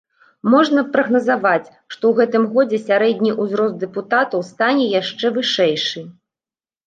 Можна прагназаваць, што ў гэтым годзе сярэдні ўзрост дэпутатаў стане яшчэ вышэйшы.